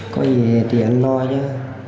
có gì thì anh lo chứ